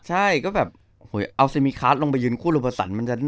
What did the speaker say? ใช่ก็แบบเอาซิมมีคาร์ดลงไปยืนคู่โลเบอร์สัน